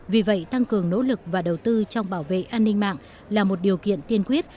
vì vậy tăng cường nỗ lực và đầu tư trong bảo vệ an ninh mạng là một điều kiện tiên quyết